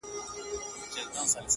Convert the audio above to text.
چي ستا ديدن وي پكي كور به جوړ سـي ـ